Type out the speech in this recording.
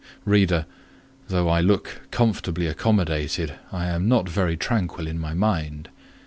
Reader, though I look comfortably accommodated, I am not very tranquil in my mind.